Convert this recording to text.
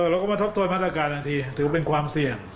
เราก็มาทบตวนบรรจการอ่ะที่